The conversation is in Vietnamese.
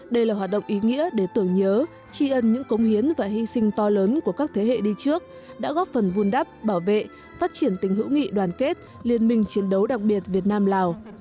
đây là hoạt động ý nghĩa để tưởng nhớ tri ân những cống hiến và hy sinh to lớn của các thế hệ đi trước đã góp phần vun đắp bảo vệ phát triển tình hữu nghị đoàn kết liên minh chiến đấu đặc biệt việt nam lào